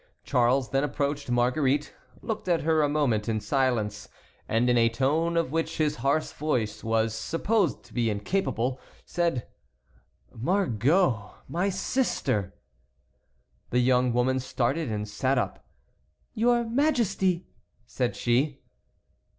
Charles then approached Marguerite, looked at her a moment in silence, and in a tone of which his harsh voice was supposed to be incapable, said: "Margot! my sister!" The young woman started and sat up. "Your Majesty!" said she.